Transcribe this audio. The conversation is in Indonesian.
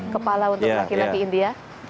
kepala untuk laki laki india